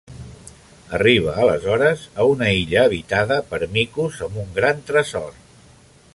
Arriba aleshores a una illa habitada per micos amb un gran tresor.